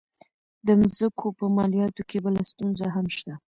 د مځکو په مالیاتو کې بله ستونزه هم شته.